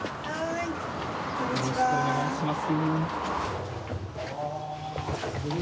よろしくお願いします。